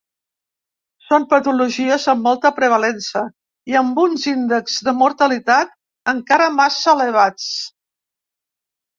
Són patologies amb molta prevalença i amb uns índexs de mortalitat encara massa elevats.